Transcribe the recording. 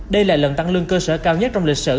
đây là lần tăng lương cơ sở cao nhất trong lịch sử